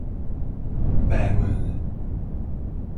แบมือ